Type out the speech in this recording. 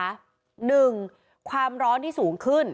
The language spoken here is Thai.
หนึ่งความร้อนที่สูงขึ้น